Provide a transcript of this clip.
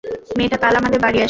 মেয়েটা কাল আমাদের বাড়ি আসবে।